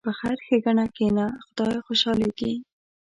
په خیر ښېګڼه کښېنه، خدای خوشحالېږي.